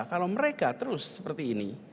kalau mereka terus seperti ini